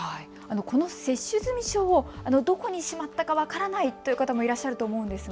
この接種済証をどこにしまったか分からないという方もいらっしゃると思うんですが。